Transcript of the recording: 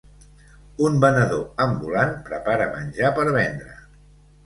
Un venedor ambulant preparar menjar per vendre.